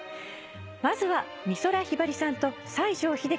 まずは。